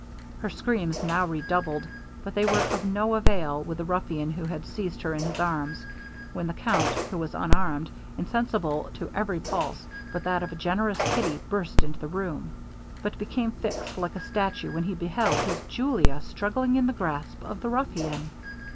Her screams now redoubled, but they were of no avail with the ruffian who had seized her in his arms; when the count, who was unarmed, insensible to every pulse but that of a generous pity, burst into the room, but became fixed like a statue when he beheld his Julia struggling in the grasp of the ruffian.